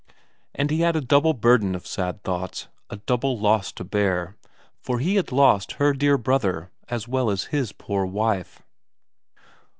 And he had a double burden of sad thoughts, a double loss to bear, for he had lost her dear brother as well as his poor wife.